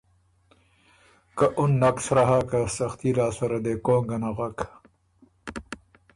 که اُن نک سرۀ هۀ که سختي لاسته ره دې کونګه نغک۔